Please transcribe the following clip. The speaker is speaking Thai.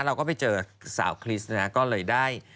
เราก็ไปเจอสาวคริสต์นะฮะก็เลยได้